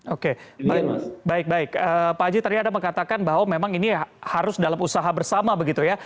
oke baik baik pak haji tadi ada mengatakan bahwa memang ini harus dalam usaha bersama begitu ya